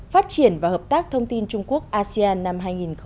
phát triển và hợp tác thông tin trung quốc asean năm hai nghìn một mươi sáu